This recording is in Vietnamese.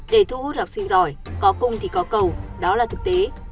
để thu hút học sinh giỏi có cung thì có cầu đó là thực tế